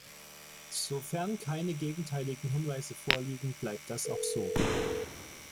Sofern keine gegenteiligen Hinweise vorliegen, bleibt das auch so.